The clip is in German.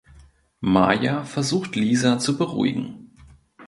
Maya versucht Lisa zu beruhigen.